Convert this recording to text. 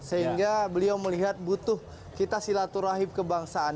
sehingga beliau melihat butuh kita silaturahim kebangsaan